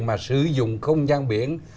mà sử dụng không gian biển